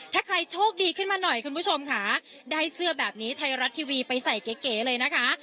ถ้าใครโชคดีขึ้นมาหน่อยคุณผู้ชมค่ะได้เสื้อแบบนี้ไทยรัฐทีวีไปใส่เก๋เลยนะคะ